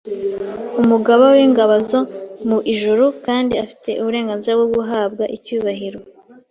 umugaba w’ingabo zo mu ijuru, kandi afite uburenganzira bwo guhabwa icyubahiro